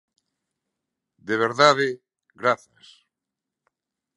De verdade, grazas.